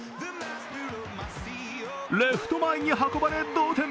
レフト前に運ばれ同点。